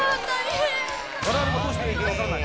我々もどうしたらいいか分からない。